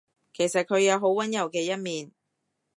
其實佢有好溫柔嘅一面